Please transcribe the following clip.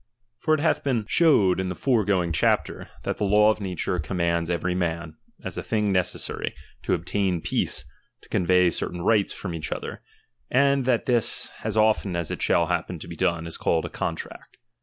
For it bath been CHAP. III. showed in the foregoing chapter, that the law of The Kc'oQd la" ii^ture commands every man, as a thing necessary, rfMiure.tojer to obtain peace, to convey certain rights from I each to other ; and that this, as often as it shall happen to be done, is called a contract.